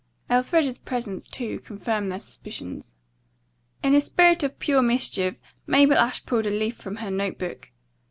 Elfreda's presence, too, confirmed their suspicions. In a spirit of pure mischief Mabel Ashe pulled a leaf from her note book.